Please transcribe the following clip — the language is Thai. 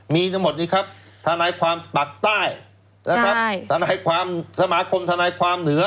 มีทั้งหมดนี้ครับทนายความปากใต้สมาคมทนายความเหนือ